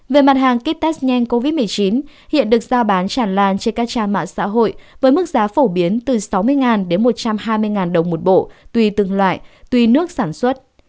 về mặt hàng kit test nhanh covid một mươi chín hiện được giao bán tràn lan trên các trang mạng xã hội với mức giá phổ biến từ sáu mươi đến một trăm hai mươi đồng một bộ tùy từng loại tùy nước sản xuất